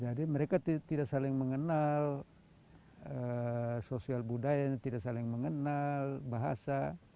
jadi mereka tidak saling mengenal sosial budaya tidak saling mengenal bahasa